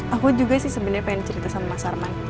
aku juga sih sebenarnya pengen cerita sama mas arman